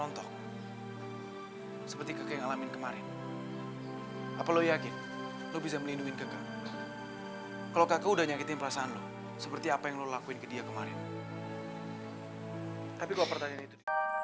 tapi kalau pertanyaan itu